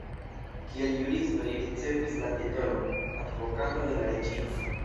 Kiel juristo li ricevis la titolon Advokato de la Reĝino.